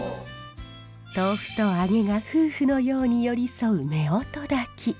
豆腐と揚げが夫婦のように寄り添う夫婦炊き。